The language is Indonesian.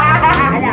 nah nah nah nah